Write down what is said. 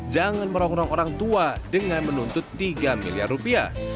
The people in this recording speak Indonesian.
jangan merongrong orang tua dengan menuntut tiga miliar rupiah